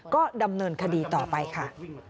ก็ดำเนินคดีต่อไปค่ะ